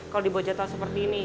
kalau dibawa jatuh seperti ini